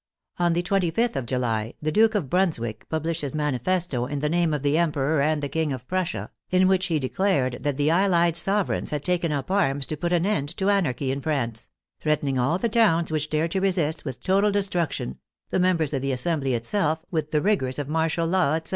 On the 25th of July, the Duke of Brunswick p^ublished his manifesto in the name of the Emperor and the King of Prussia, in which he declared that the allied sovereigns had taken up arms to put an end to anarchy in France; threaten ing all the towns which dared to resist with total destruc tion, the members of the Assembly itself with the rigors of martial law, etc.